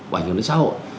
và ảnh hưởng đến xã hội